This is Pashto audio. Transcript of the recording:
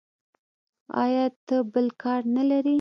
ایا ته بل کار نه لرې.